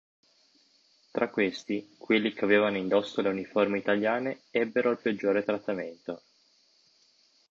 Tra questi, quelli che avevano indosso le uniformi italiane ebbero il peggiore trattamento.